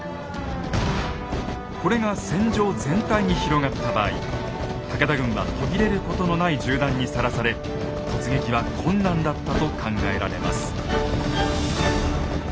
これが戦場全体に広がった場合武田軍は途切れることのない銃弾にさらされ突撃は困難だったと考えられます。